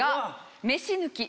「飯抜き」。